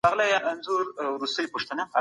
پوه سړی اوس علمي مجله لولي.